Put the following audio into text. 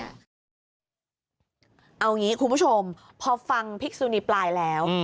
เอาอย่างนี้คุณผู้ชมพอฟังพิกษุนีปลายแล้ว